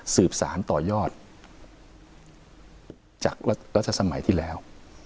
สืบสารต่อยอดจากรัฐสมัยที่แล้ว